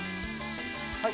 はい？